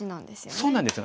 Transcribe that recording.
そうなんですよね。